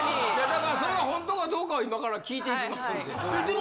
だからそれが本当かどうかは今から聞いていきますんで。